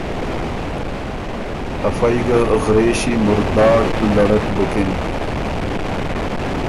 افئ ګه غرېݭی مُرداړ لړک بُکِن۔